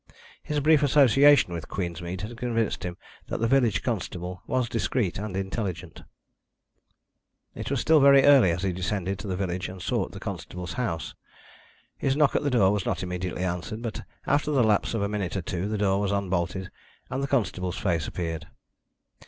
His brief association with Queensmead had convinced him that the village constable was discreet and intelligent. It was still very early as he descended to the village and sought the constable's house. His knock at the door was not immediately answered, but after the lapse of a minute or two the door was unbolted, and the constable's face appeared.